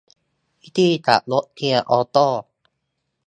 วิธีขับรถเกียร์ออโต้